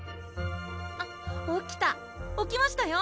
あっ起きた起きましたよ！